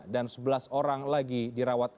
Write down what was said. dan sebelas orang lagi dirawat